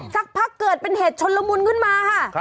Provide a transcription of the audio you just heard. สักพักเกิดเป็นเหตุชนละมุนขึ้นมาค่ะ